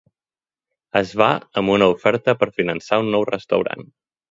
Es va amb una oferta per finançar un nou restaurant.